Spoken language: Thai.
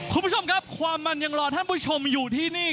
คุณผู้ชมครับความมันยังรอท่านผู้ชมอยู่ที่นี่